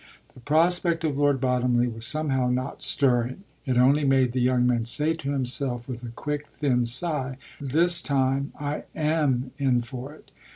The prospect of Lord Bottomley was somehow not stirring; it only made the young man say to himself with a quick, thin sigh, "This time I am in for it!"